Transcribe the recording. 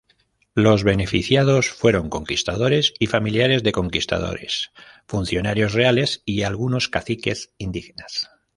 Los beneficiados fueron conquistadores y familiares de conquistadores, funcionarios reales y algunos caciques indígenas.